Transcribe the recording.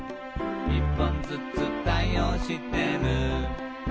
「１本ずつ対応してる」